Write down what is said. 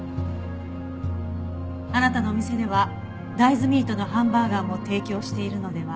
あなたのお店では大豆ミートのハンバーガーも提供しているのでは？